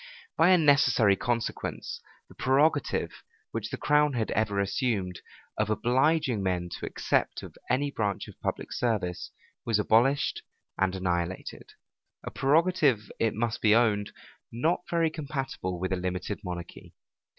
By a necessary consequence, the prerogative, which the crown had ever assumed, of obliging men to accept of any branch of public service, was abolished and annihilated; a prerogative, it must be owned, not very compatible with a limited monarchy.